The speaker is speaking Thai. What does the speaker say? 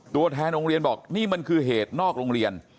ตัวแทนโรงเรียนบอกนี่มันคือเหตุนอกโรงเรียน